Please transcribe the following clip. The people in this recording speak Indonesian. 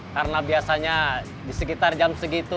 karena biasanya di sekitar jam segitu